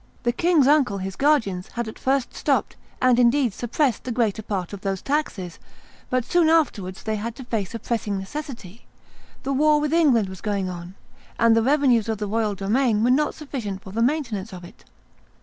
The king's uncles, his guardians, had at first stopped, and indeed suppressed, the greater part of those taxes; but soon afterwards they had to face a pressing necessity: the war with England was going on, and the revenues of the royal domain were not sufficient for the maintenance of it.